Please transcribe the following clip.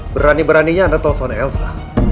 berani beraninya anda telpon elsa